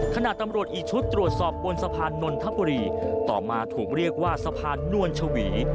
ขณะตำรวจอีกชุดตรวจสอบบนสะพานนทบุรีต่อมาถูกเรียกว่าสะพานนวลชวี